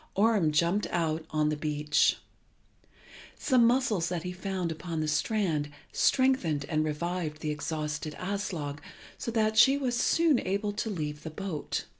Orm jumped out on the beach. Some mussels that he found upon the strand strengthened and revived the exhausted Aslog so that she was soon able to leave the boat.